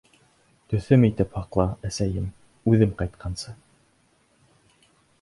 Төҫөм итеп һаҡла, әсәйем, үҙем ҡайтҡансы.